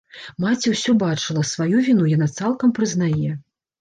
Маці ўсё бачыла, сваю віну яна цалкам прызнае.